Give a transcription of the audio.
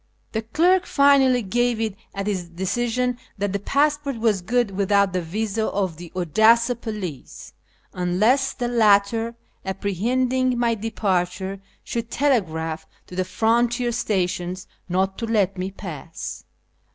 The clerk finally gave it as his decision that the passport was good without the visa of the Odessa police, unless the latter, apprehending my departure, should telegraph to the frontier stations not to let me pass.